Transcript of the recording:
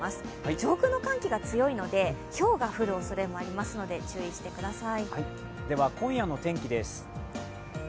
上空の寒気が強いので、ひょうが降るおそれもありますので注意してください。